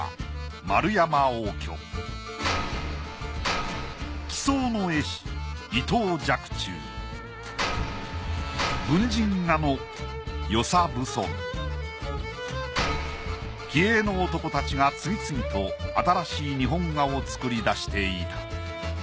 円山応挙奇想の絵師伊藤若冲文人画の与謝蕪村気鋭の男たちが次々と新しい日本画を作り出していた。